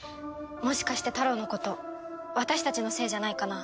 もしかしてタロウのこと私たちのせいじゃないかな？